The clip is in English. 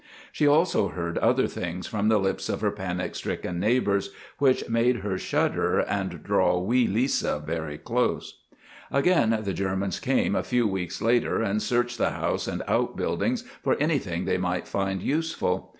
She also heard other things from the lips of her panic stricken neighbours which made her shudder and draw wee Lisa very close. Again the Germans came a few weeks later and searched the house and outbuildings for anything they might find useful.